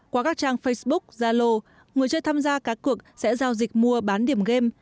qua các trang facebook zalo người chơi tham gia các cuộc sẽ giao dịch mua bán điểm game